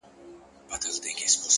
پوهه د ذهن سفر پراخوي,